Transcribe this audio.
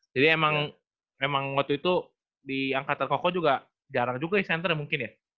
jadi emang waktu itu di angkatan koko juga jarang juga ya center mungkin ya